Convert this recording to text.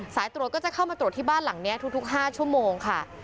สายตรวจก็จะเข้ามาตรวจที่บ้านหลังนี้ทุก๕ชั่วโมงค่ะ